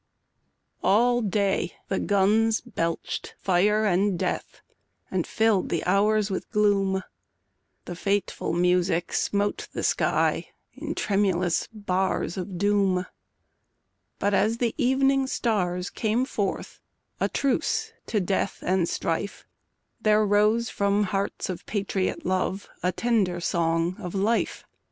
ALL day the guns belched fire and death And filled the hours with gloom; The fateful music smote the sky In tremulous bars of doom ; But as the evening stars came forth A truce to death and strife, There rose from hearts of patriot love A tender song of life.